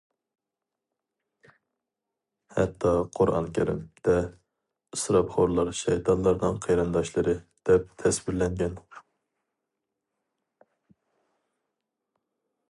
ھەتتا، «قۇرئان كەرىم» دە: «ئىسراپخورلار شەيتانلارنىڭ قېرىنداشلىرى» دەپ تەسۋىرلەنگەن.